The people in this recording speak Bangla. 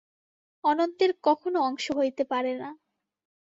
অনন্তের কখনও অংশ হইতে পারে না।